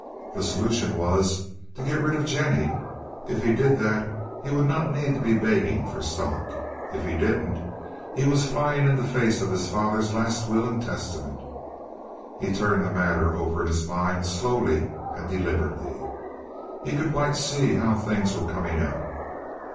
The solution was—to get rid of Jennie. If he did that he would not need to be begging for stock. If he didn't, he was flying in the face of his father's last will and testament. He turned the matter over in his mind slowly and deliberately. He could quite see how things were coming out.